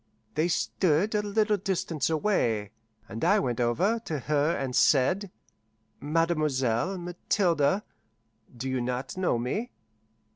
They stood a little distance away, and I went over to her and said, "Mademoiselle Mathilde, do you not know me?"